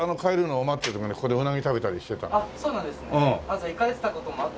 じゃあ行かれてた事もあった。